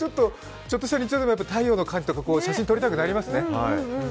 ちょっとした太陽の感じとか写真撮りたくなりますよね。